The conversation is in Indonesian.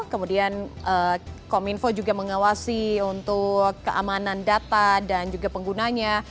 kemudian kominfo juga mengawasi untuk keamanan data dan juga penggunanya